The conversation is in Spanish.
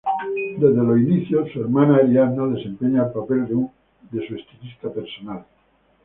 Desde los inicios, su hermana Arianna desempeña el papel de su estilista personal.